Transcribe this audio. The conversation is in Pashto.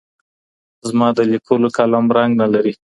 زما د لیکلو قلم رنګ نه لري.